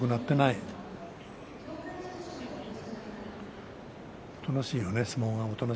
おとなしいよね、相撲が。